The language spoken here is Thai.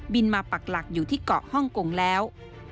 มาปักหลักอยู่ที่เกาะฮ่องกงแล้ว